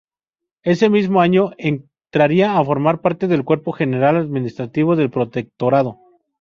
Ese mismo año entraría a formar parte del Cuerpo General Administrativo del Protectorado.